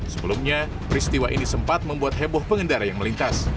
sebelumnya peristiwa ini sempat membuat heboh pengendara yang melintas